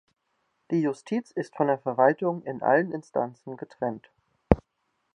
Die Justiz ist von der Verwaltung in allen Instanzen getrennt.